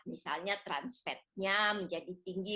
misalnya trans fatnya menjadi tinggi